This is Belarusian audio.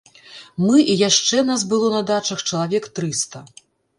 Мы і яшчэ нас было на дачах чалавек трыста!